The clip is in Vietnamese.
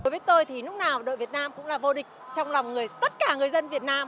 với tôi thì lúc nào đội việt nam cũng là vô địch trong lòng người tất cả người dân việt nam